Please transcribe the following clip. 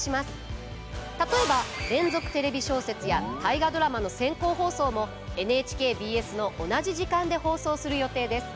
例えば「連続テレビ小説」や「大河ドラマ」の先行放送もＮＨＫＢＳの同じ時間で放送する予定です。